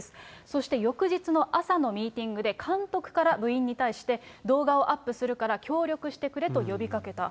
そして、翌日の朝のミーティングで監督から部員に対して、動画をアップするから、協力してくれと呼びかけた。